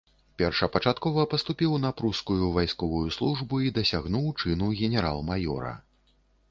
Першапачаткова паступіў на прускую вайсковую службу і дасягнуў чыну генерал-маёра.